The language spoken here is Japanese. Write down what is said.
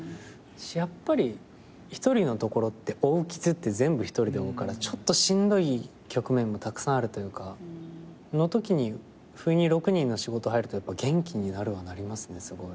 やっぱり一人のところって負う傷って全部一人で負うからちょっとしんどい局面もたくさんあるというか。のときにふいに６人の仕事入ると元気になるはなりますねすごい。